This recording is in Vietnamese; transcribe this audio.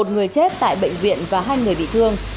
một người chết tại bệnh viện và hai người bị thương